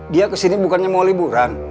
dia kesini bukannya mau liburan